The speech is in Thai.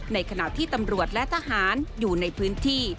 ในขณะที่ตำรวจและทหารอยู่ในพื้นที่